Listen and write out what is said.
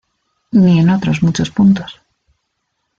Ni en otros muchos puntos.